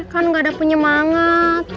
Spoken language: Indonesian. kan gak ada punya manget